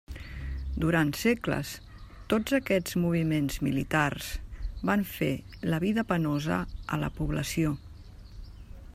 Durant segles tots aquests moviments militars van fer la vida penosa a la població.